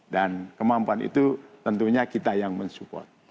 kemampuan itu tentunya kita yang mensupport